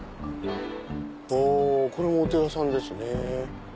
おこれもお寺さんですね。